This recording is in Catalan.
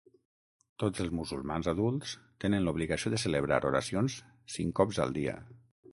Tots els musulmans adults tenen l'obligació de celebrar oracions cinc cops al dia.